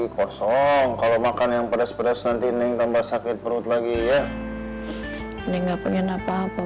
kosong kalau makan yang pedas pedas nanti ning tambah sakit perut lagi ya ini nggak pengen apa apa